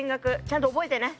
ちゃんと覚えてね。